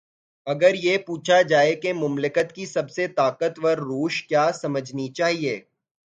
اگر یہ پوچھا جائے کہ مملکت کی سب سے طاقتور روش کیا سمجھنی چاہیے۔